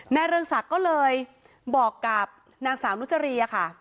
เรืองศักดิ์ก็เลยบอกกับนางสาวนุจรีอะค่ะ